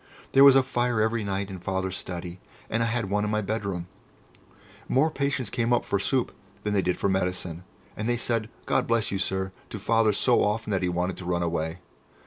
There was a fire every night in Father's study, and I had one in my bedroom. More patients came up for soup than they did for medicine, and they said "God bless you, Sir!" to Father so often that he wanted to run away.